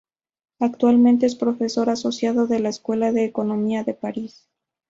Actualmente es profesor asociado de la Escuela de Economía de París.